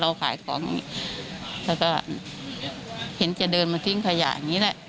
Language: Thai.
เราขายของแล้วก็เห็นจะเดินมาทิ้งขยะอย่างนี้แหละ